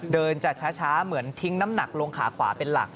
จะช้าเหมือนทิ้งน้ำหนักลงขาขวาเป็นหลัก